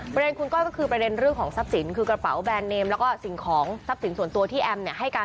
ประเด็นคุณก้อยก็คือประเด็นเรื่องของทรัพย์สินคือกระเป๋าแบรนดเนมแล้วก็สิ่งของทรัพย์สินส่วนตัวที่แอมให้การ